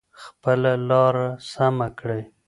خپله لاره سمه کړئ.